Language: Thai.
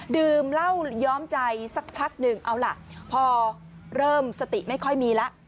ดื่มเหล้าย้อมใจสักพักหนึ่งเอาล่ะพอเริ่มสติไม่ค่อยมีแล้ว